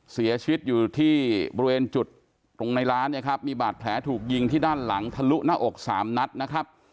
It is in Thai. เสียชีวิตอยู่ที่บริเวณจุดตรงในร้านเนี่ยครับมีบาดแผลถูกยิงที่ด้านหลังทะลุหน้าอกสามนัดนะครับ